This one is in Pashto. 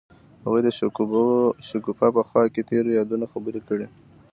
هغوی د شګوفه په خوا کې تیرو یادونو خبرې کړې.